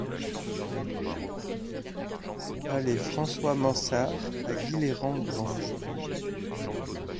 Allée François Mansard à Guilherand-Granges